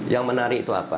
yang menarik itu apa